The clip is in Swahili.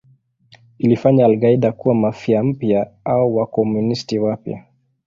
Ilifanya al-Qaeda kuwa Mafia mpya au Wakomunisti wapya.